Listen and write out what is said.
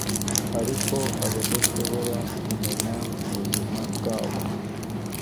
Ariko abadashobora kumenya mubuzima bwabo